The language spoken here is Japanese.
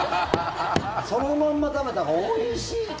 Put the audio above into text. そのまんま食べたほうがおいしいって。